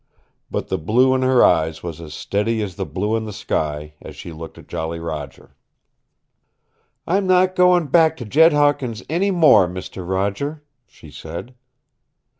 But the blue in her eyes was as steady as the blue in the sky as she looked at Jolly Roger. "I'm not going back to Jed Hawkins' any more, Mister Roger," she said.